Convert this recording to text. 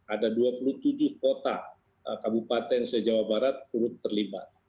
ada dua puluh tujuh kota kabupaten se jawa barat turut terlibat